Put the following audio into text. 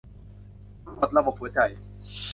ตรวจระบบหัวใจ